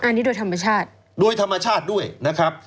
อันนี้โดยธรรมชาติโดยธรรมชาติด้วยนะครับ